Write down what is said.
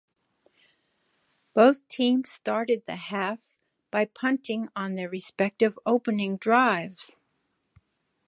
Both teams started the half by punting on their respective opening drives.